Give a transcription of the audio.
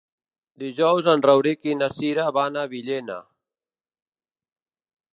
Dijous en Rauric i na Cira van a Villena.